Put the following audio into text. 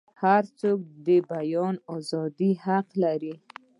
هرڅوک د بیان ازادۍ حق لري.